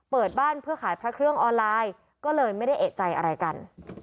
เปิดบ้านเพื่อขายพระเครื่องออนไลน์ก็เลยไม่ได้เอกใจอะไรกัน